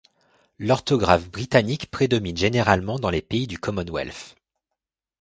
L'orthographe britannique prédomine généralement dans les pays du Commonwealth.